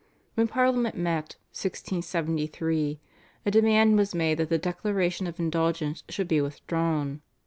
When Parliament met (1673) a demand was made that the Declaration of Indulgence should be withdrawn.